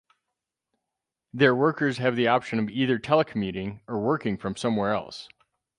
Their workers have the option of either telecommuting or working from somewhere else.